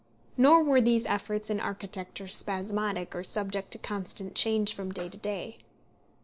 Nor were these efforts in architecture spasmodic, or subject to constant change from day to day.